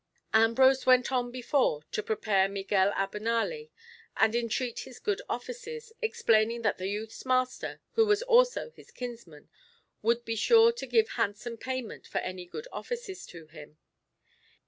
Ambrose went on before to prepare Miguel Abenali, and entreat his good offices, explaining that the youth's master, who was also his kinsman, would be sure to give handsome payment for any good offices to him.